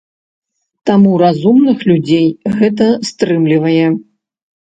Таму разумных людзей гэта стрымлівае.